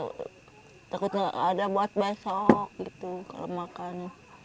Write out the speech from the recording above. takut nggak ada buat besok gitu kalau makan